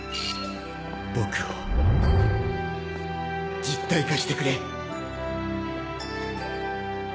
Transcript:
僕を実体化してくれ。